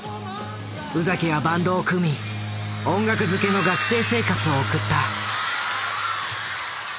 宇崎はバンドを組み音楽づけの学生生活を送った。